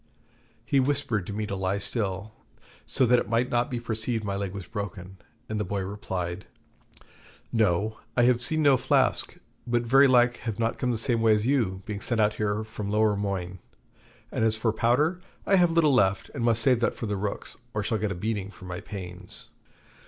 He whispered to me to lie still, so that it might not be perceived my leg was broken; and the boy replied: 'No, I have seen no flask; but very like have not come the same way as you, being sent out here from Lowermoigne; and as for powder, I have little left, and must save that for the rooks, or shall get a beating for my pains.'